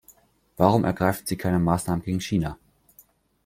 Warum ergreifen Sie keine Maßnahmen gegen China?